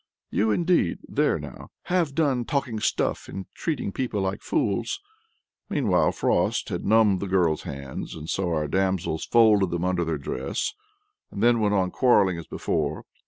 "You, indeed! there now, have done talking stuff and treating people like fools!" Meanwhile, Frost had numbed the girl's hands, so our damsels folded them under their dress, and then went on quarrelling as before.